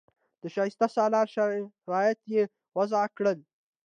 د شایسته سالارۍ شرایط یې وضع کړل.